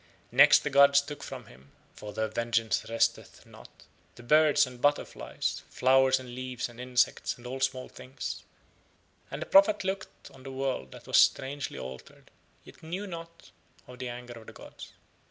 Next the gods took from him, for Their vengeance resteth not, the birds and butterflies, flowers and leaves and insects and all small things, and the prophet looked on the world that was strangely altered, yet knew not of the anger of the gods.